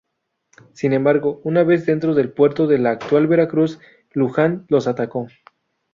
Sin embargo, una vez dentro del puerto de la actual Veracruz, Luján los atacó.